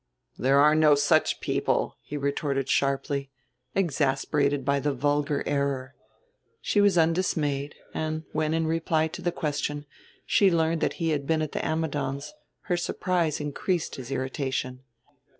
"There are no such people," he retorted sharply, exasperated by the vulgar error. She was undismayed; and when, in reply to the question, she learned that he had been at the Ammidons' her surprise increased his irritation.